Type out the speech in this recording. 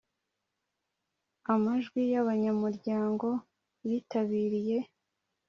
bw’amajwi y’abanyamuryango bitabiriye